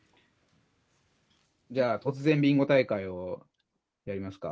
じゃあ、突然ビンゴ大会をやりますか。